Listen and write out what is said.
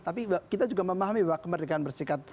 tapi kita juga memahami bahwa kemerdekaan bersikap